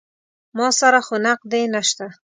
ما سره خو نقدې نه شته.